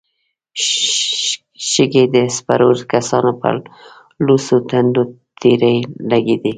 شګې د سپرو کسانو پر لوڅو ټنډو تېرې لګېدې.